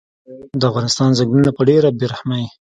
د افغانستان ځنګلونه په ډیره بیرحمۍ